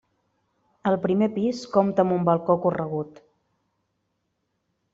El primer pis compta amb un balcó corregut.